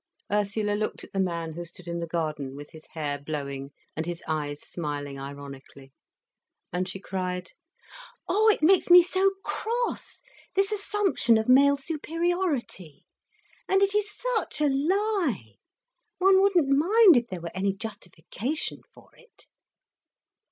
Ursula looked at the man who stood in the garden with his hair blowing and his eyes smiling ironically, and she cried: "Oh it makes me so cross, this assumption of male superiority! And it is such a lie! One wouldn't mind if there were any justification for it."